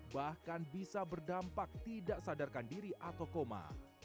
bahkan bisa berdampak tidak sadarkan diri atau koma